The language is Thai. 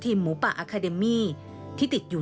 ทีมข่าวของเรานำเสนอรายงานพิเศษ